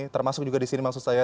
termasuk juga di sini maksud saya